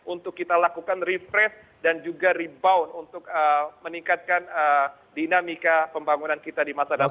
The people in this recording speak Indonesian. untuk kita lakukan refresh dan juga rebound untuk meningkatkan dinamika pembangunan kita di masa depan